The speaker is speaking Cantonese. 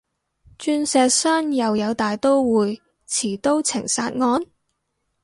鑽石山又有大刀會持刀情殺案？